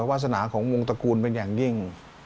วาสนาของวงตระกูลเป็นอย่างยิ่ง